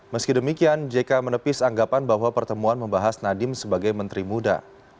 meski demikian jk menepis anggapan bahwa pertemuan membahas nadiem sebagai menteri muda